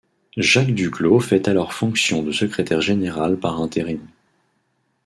Jacques Duclos fait alors fonction de secrétaire général par intérim.